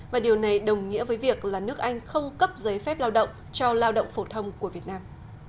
và điều này đồng nghĩa với việc là nước anh không cấp giấy phép lao động cho lao động phổ thông của việt nam